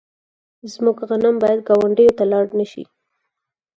زموږ غنم باید ګاونډیو ته لاړ نشي.